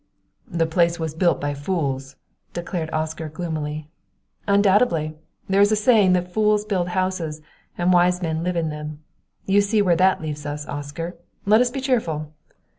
"The place was built by fools," declared Oscar gloomily. "Undoubtedly! There is a saying that fools build houses and wise men live in them you see where that leaves us, Oscar. Let us be cheerful!"